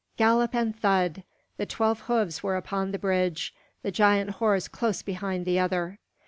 Gallop and thud! The twelve hoofs were upon the bridge, the giant horse close behind the other.